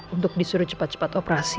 untuk disuruh cepat cepat operasi